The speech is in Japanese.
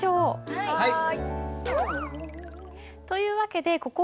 はい。